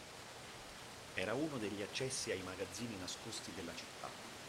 Era uno degli accessi ai magazzini nascosti della città.